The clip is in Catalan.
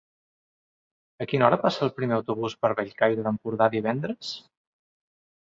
A quina hora passa el primer autobús per Bellcaire d'Empordà divendres?